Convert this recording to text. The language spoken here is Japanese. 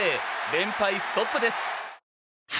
連敗ストップです。